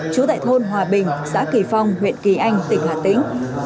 trú tại thôn hòa bình xã kỳ phong huyện kỳ anh tỉnh hà tĩnh